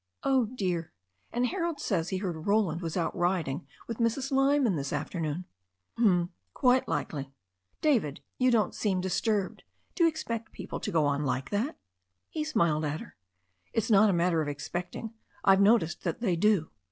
"Oh, dear! And Harold says he heard Roland was out riding with Mrs. L3rman this afternoon." "Hm! Quite likely." "David ! You don't seem disturbed. Do you expect peo ple to go on like that?" He smiled at hen "It's not a matter of expecting. I've noticed that they do.